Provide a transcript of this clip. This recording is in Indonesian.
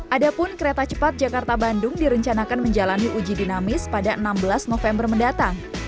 adapun kereta cepat jakarta bandung direncanakan menjalani uji dinamis pada enam belas november mendatang